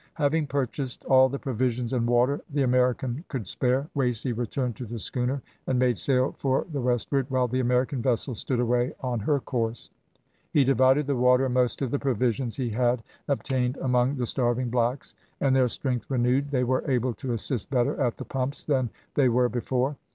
Having purchased all the provisions and water the American could spare, Wasey returned to the schooner and made sail for the westward, while the American vessel stood away on her course. He divided the water and most of the provisions he had obtained among the starving blacks, and their strength renewed, they were able to assist better at the pumps than they were before.